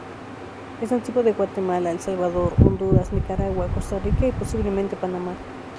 Es nativo de Guatemala, El Salvador, Honduras, Nicaragua, Costa Rica, y posiblemente Panamá.